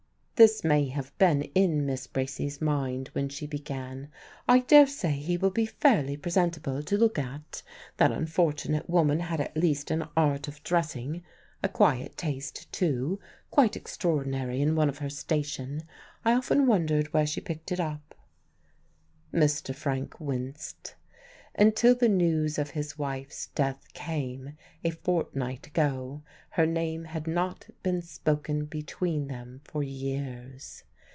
This may have been in Miss Bracy's mind when she began: "I daresay he will be fairly presentable, to look at. That unfortunate woman had at least an art of dressing a quiet taste too, quite extraordinary in one of her station. I often wondered where she picked it up." Mr. Frank winced. Until the news of his wife's death came, a fortnight ago, her name had not been spoken between them for years.